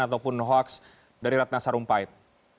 atau pun hoaks dari ratna sarumpahet